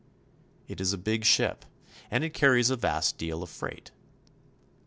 It is a big ship, and it carries a vast deal of freight.